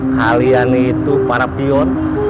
kalian itu para pion